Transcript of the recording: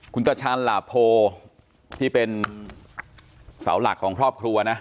คุณตาชาญหลาโพที่เป็นเสาหลักของครอบครัวนะ